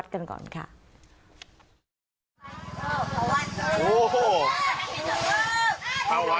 ตัวเล็กกระดูกนะ